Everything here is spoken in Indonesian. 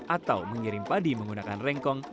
atau mengirim padi menggunakan rengkong